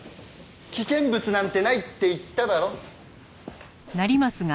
危険物なんてないって言っただろ？